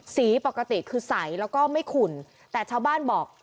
ปกติคือใสแล้วก็ไม่ขุ่นแต่ชาวบ้านบอก